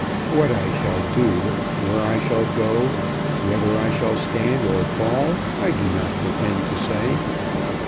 What I shall do, where I shall go, whether I shall stand or fall, I do not pretend to say.